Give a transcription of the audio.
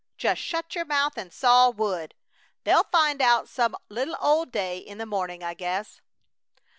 Just shut your mouth and saw wood! They'll find out some little old day in the morning, I guess."